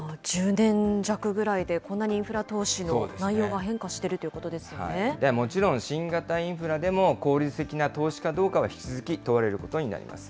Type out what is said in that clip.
１０年弱ぐらいで、こんなにインフラ投資の内容が変化していもちろん、新型インフラでも効率的な投資かどうかは引き続き問われることになります。